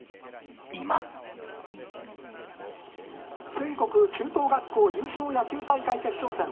「全国中等学校優勝野球大会決勝戦。